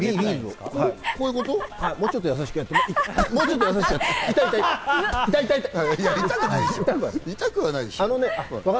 もうちょっと優しくやってもらっていいですか？